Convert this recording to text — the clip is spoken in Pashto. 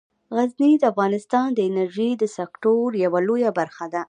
غزني د افغانستان د انرژۍ د سکتور یوه لویه برخه ده.